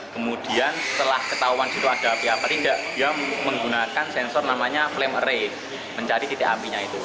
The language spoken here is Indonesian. kemudian setelah ketahuan itu ada api apa tidak dia menggunakan sensor namanya flame ray mencari titik apinya itu